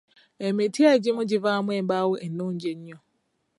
Emiti egimu givaamu embaawo ennungi ennyo.